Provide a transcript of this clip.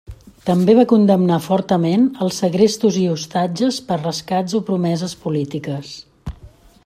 També va condemnar fortament els segrestos i ostatges per rescats o promeses polítiques.